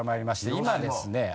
今ですね